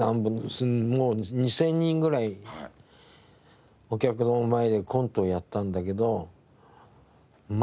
もう２０００人ぐらいお客の前でコントをやったんだけど。